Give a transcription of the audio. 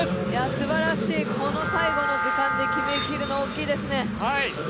すばらしい、この最後の時間で決めきるのはすごいですね。